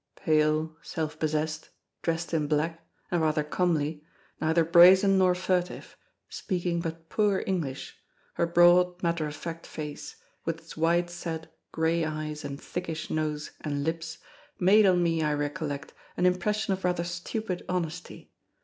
Pale, self possessed, dressed in black, and rather comely, neither brazen nor furtive, speaking but poor English, her broad, matter of fact face, with its wide set grey eyes and thickish nose and lips, made on me, I recollect, an impression of rather stupid honesty.